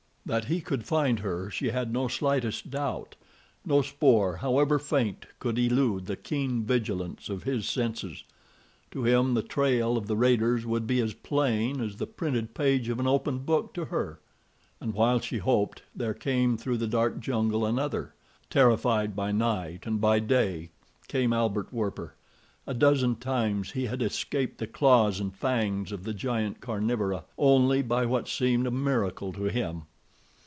That he could find her she had no slightest doubt. No spoor, however faint, could elude the keen vigilance of his senses. To him, the trail of the raiders would be as plain as the printed page of an open book to her. And while she hoped, there came through the dark jungle another. Terrified by night and by day, came Albert Werper. A dozen times he had escaped the claws and fangs of the giant carnivora only by what seemed a miracle to him.